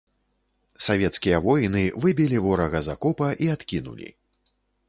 Савецкія воіны выбілі ворага з акопа і адкінулі.